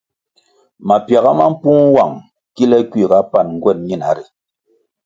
Mapiaga ma mpung nwang kile kuiga pan nguen ñina ri.